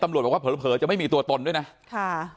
บอกว่าเผลอจะไม่มีตัวตนด้วยนะค่ะ